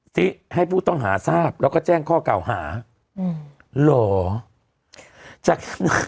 ซิให้ผู้ต้องหาทราบแล้วก็แจ้งข้อเก่าหาอืมเหรอ